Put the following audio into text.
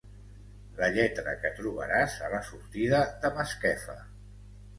La lletra que trobaràs a la sortida de Masquefa.